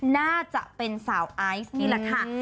น่าจะเป็นสาวไอซ์นี่แหละค่ะ